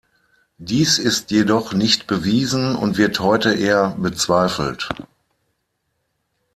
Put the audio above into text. Dies ist jedoch nicht bewiesen und wird heute eher bezweifelt.